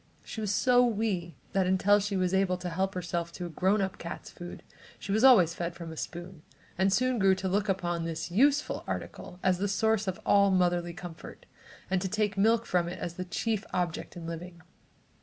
She was so wee that until she was able to help herself to a grown up cat's food, she was always fed from a spoon, and soon grew to look upon this useful article as the source of all motherly comfort, and to take milk from it as the chief object in living.